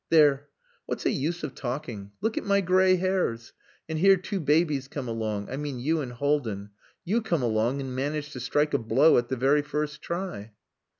There! What's the use of talking.... Look at my grey hairs! And here two babies come along I mean you and Haldin you come along and manage to strike a blow at the very first try."